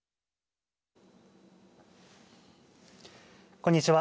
こんにちは。